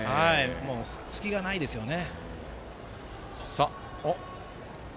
隙がないですよね。